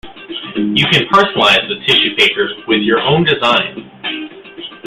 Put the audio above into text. You can personalise the tissue paper with your own design.